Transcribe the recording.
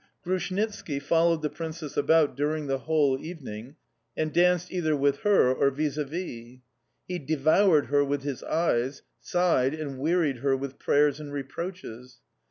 Grushnitski followed the Princess about during the whole evening and danced either with her or vis a vis. He devoured her with his eyes, sighed, and wearied her with prayers and reproaches.